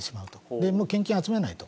で、もう献金集めないと。